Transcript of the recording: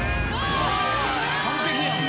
完璧やん！